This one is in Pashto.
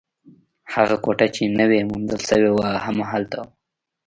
هغه کوټه چې نوې موندل شوې وه، هم هلته وه.